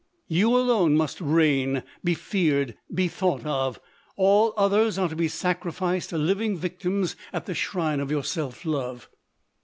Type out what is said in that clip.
You alone must reign, be feared, be thought of; all others are to be sacrificed, living victims, at the shrine LODORE. 193 of your self love.